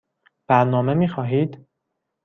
برنامه می خواهید؟